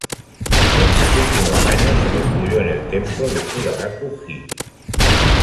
En sus últimos años se recluyó en el templo de Fudaraku-ji.